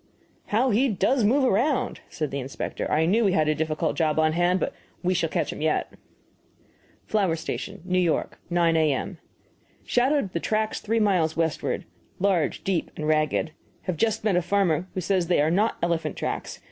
"How he does move around!" said the inspector "I knew we had a difficult job on hand, but we shall catch him yet." FLOWER STATION, N. Y., 9 A.M. Shadowed the tracks three miles westward. Large, deep, and ragged. Have just met a farmer who says they are not elephant tracks.